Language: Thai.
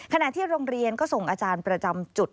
ขณะที่โรงเรียนก็ส่งอาจารย์ประจำจุด